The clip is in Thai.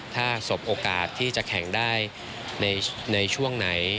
ถ้าสบโอกาสที่จะแข่งได้ในช่วงไหน